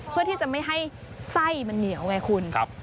เพื่อที่จะไม่ให้ไส้มันเหนียวไงคุณ